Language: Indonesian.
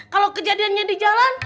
kalau kejadiannya di jalan